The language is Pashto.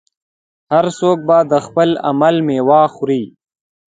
هر څوک به د خپل عمل میوه خوري.